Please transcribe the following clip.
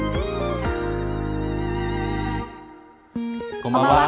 こんばんは。